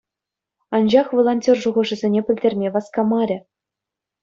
Анчах волонтер шухӑшӗсене пӗлтерме васкамарӗ.